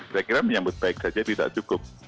saya kira menyambut baik saja tidak cukup